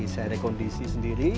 saya rekondisi sendiri